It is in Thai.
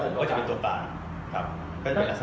ผมก็จะเป็นตัวตรายครับก็จะเป็นลักษณะ